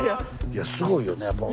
いやすごいよねやっぱ。